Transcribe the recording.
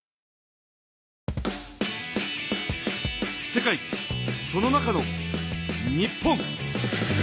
世界その中の日本。